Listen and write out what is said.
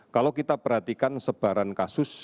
kalau kita perhatikan sebaran kasus